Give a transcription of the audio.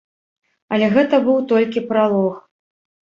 Але гэта быў толькі пралог.